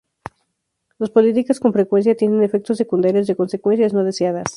Las políticas con frecuencia tienen efectos secundarios de consecuencias no deseadas.